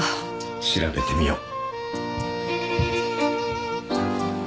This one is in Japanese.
調べてみよう。